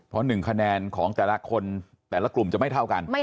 เพราะ๑คะแนนของแต่ละคนแต่ละกลุ่มจะไม่เท่ากัน